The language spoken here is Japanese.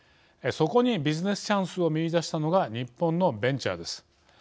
そこにビジネスチャンスを見いだしたのが日本のベンチャーです。